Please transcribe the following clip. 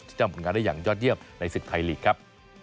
จำผลงานได้อย่างยอดเยี่ยมในศึกไทยลีกครับ